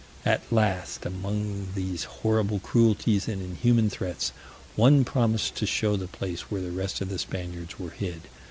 At last, amongst these horrible cruelties and inhuman threats, one promised to show the place where the rest of the Spaniards were hid.